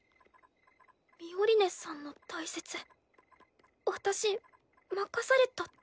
ミオリネさんの大切私任されたって。